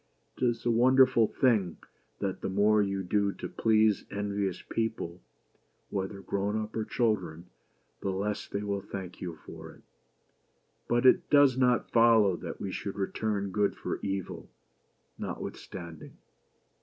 It is a wonderful thing that the more you do to please envious people, whether grown up or children, the less they will thank you for it. But it does not follow that we should return good for evil, notwith standing